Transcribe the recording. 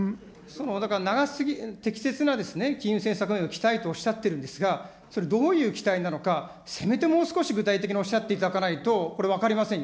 だから適切な金融政策に期待とおっしゃってるんですが、それどういう期待なのか、せめてもう少し具体的におっしゃっていただかないと、これ、分かりませんよ。